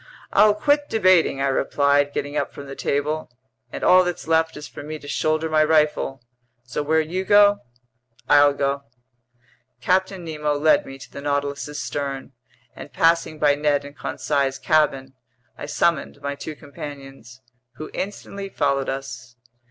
"I'll quit debating," I replied, getting up from the table. "And all that's left is for me to shoulder my rifle. So where you go, I'll go." Captain Nemo led me to the Nautilus's stern, and passing by Ned and Conseil's cabin, I summoned my two companions, who instantly followed us.